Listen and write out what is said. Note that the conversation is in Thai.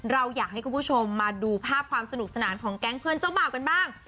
เราอยากให้คุณผู้ชมมาดูภาพความสนุกสนานของแก๊งเพื่อนเจ้าบ่าวกันบ้าง